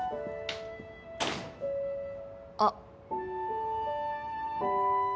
あっ。